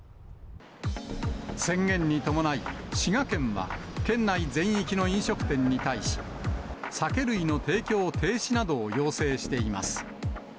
宣言に伴い、滋賀県は、県内全域の飲食店に対し、酒類の提供停止などを要請しています。